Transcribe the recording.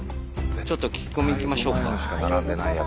ちょっと聞き込み行きましょうか。